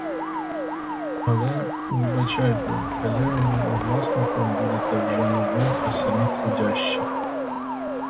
Але, вибачайте, хазяїном і власником будете вже не ви, а самі трудящі.